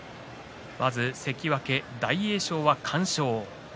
まず関脇大栄翔は完勝。